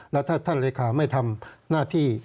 แล้วถ้าท่านเลขาไม่ทำหน้าที่